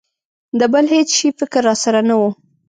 د بل هېڅ شي فکر را سره نه و.